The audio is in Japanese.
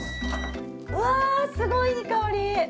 うわすごいいい香り！